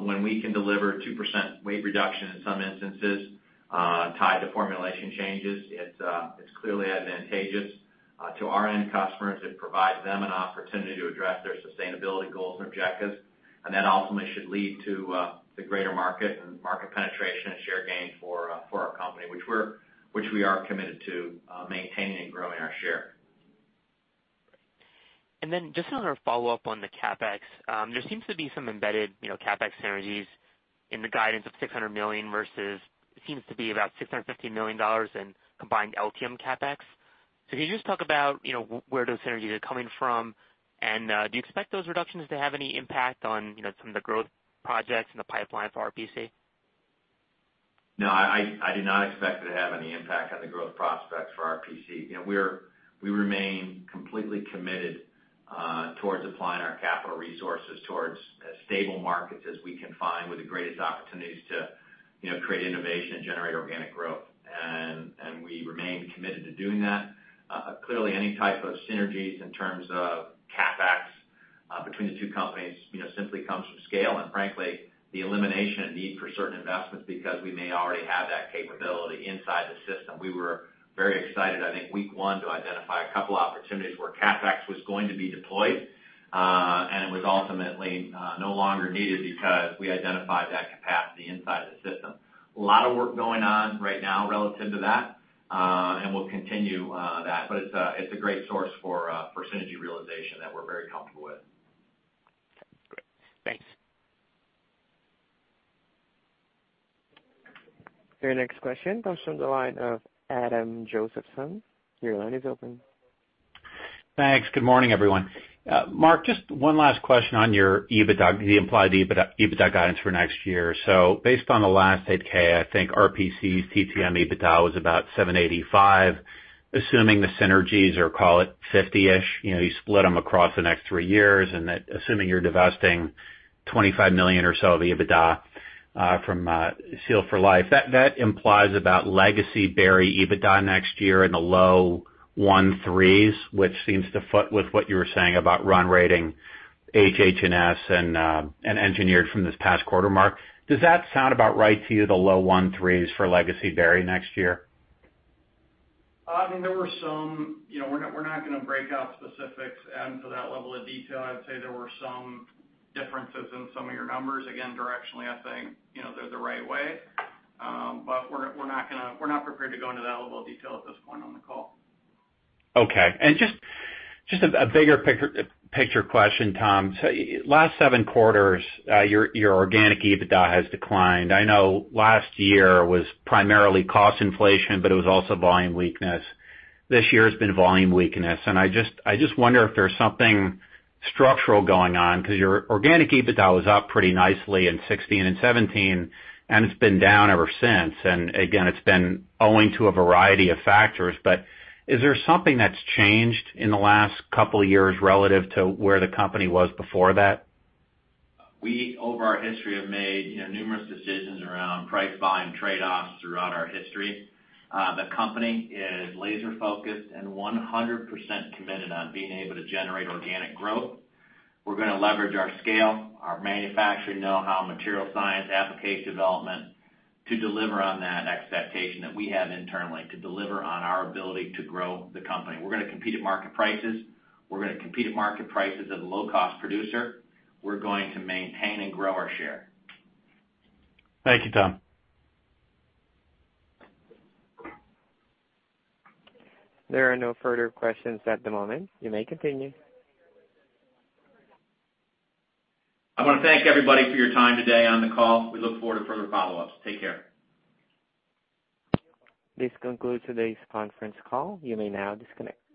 when we can deliver 2% weight reduction in some instances tied to formulation changes, it's clearly advantageous to our end customers. It provides them an opportunity to address their sustainability goals and objectives. Ultimately should lead to the greater market and market penetration and share gain for our company, which we are committed to maintaining and growing our share. Just another follow-up on the CapEx. There seems to be some embedded CapEx synergies in the guidance of $600 million versus, it seems to be about $650 million in combined LTM CapEx. Can you just talk about where those synergies are coming from, and do you expect those reductions to have any impact on some of the growth projects in the pipeline for RPC? No, I do not expect it to have any impact on the growth prospects for RPC. We remain completely committed towards applying our capital resources towards as stable markets as we can find with the greatest opportunities to create innovation and generate organic growth. We remain committed to doing that. Clearly, any type of synergies in terms of CapEx between the two companies simply comes from scale, and frankly, the elimination and need for certain investments because we may already have that capability inside the system. We were very excited, I think, week one, to identify a couple opportunities where CapEx was going to be deployed, and it was ultimately no longer needed because we identified that capacity inside the system. A lot of work going on right now relative to that, and we'll continue that. It's a great source for synergy realization that we're very comfortable with. Okay, great. Thanks. Your next question comes from the line of Adam Josephson. Your line is open. Thanks. Good morning, everyone. Mark, just one last question on your implied EBITDA guidance for next year. Based on the last 8-K, I think RPC's TTM EBITDA was about $785, assuming the synergies, or call it $50-ish, you split them across the next three years, assuming you're divesting $25 million or so of EBITDA from Seal for Life. That implies about legacy Berry EBITDA next year in the low $1.3s, which seems to fit with what you were saying about run rating HH&S and Engineered Materials from this past quarter, Mark. Does that sound about right to you, the low $1.3s for legacy Berry next year? We're not going to break out specifics down to that level of detail. I'd say there were some differences in some of your numbers. Again, directionally, I think they're the right way. We're not prepared to go into that level of detail at this point on the call. Okay. Just a bigger picture question, Tom. Last seven quarters, your organic EBITDA has declined. I know last year was primarily cost inflation, but it was also volume weakness. This year has been volume weakness, and I just wonder if there's something structural going on because your organic EBITDA was up pretty nicely in 2016 and 2017, and it's been down ever since. Again, it's been owing to a variety of factors, but is there something that's changed in the last couple of years relative to where the company was before that? We, over our history, have made numerous decisions around price volume trade-offs throughout our history. The company is laser focused and 100% committed on being able to generate organic growth. We're going to leverage our scale, our manufacturing knowhow, material science, application development to deliver on that expectation that we have internally to deliver on our ability to grow the company. We're going to compete at market prices. We're going to compete at market prices as a low-cost producer. We're going to maintain and grow our share. Thank you, Tom. There are no further questions at the moment. You may continue. I want to thank everybody for your time today on the call. We look forward to further follow-ups. Take care. This concludes today's conference call. You may now disconnect.